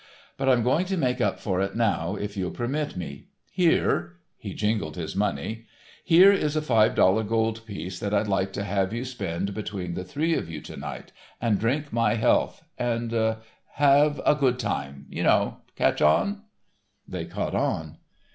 But I'm going to make up for it now, if you'll permit me. Here—" and he jingled his money, "here is a five dollar gold piece that I'd like to have you spend between the three of you to night, and drink my health, and—and—have a good time, you know. Catch on?" They caught on.